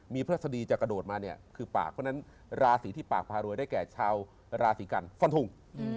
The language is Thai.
มีพฤษฎีจะกระโดดมาเนี่ยคือปากเพราะฉะนั้นราศีที่ปากพารวยได้แก่ชาวราศีกันฟันทง